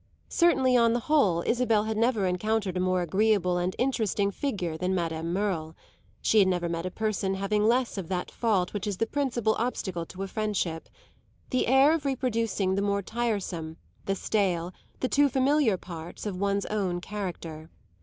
Certainly, on the whole, Isabel had never encountered a more agreeable and interesting figure than Madame Merle; she had never met a person having less of that fault which is the principal obstacle to friendship the air of reproducing the more tiresome, the stale, the too familiar parts of one's own character.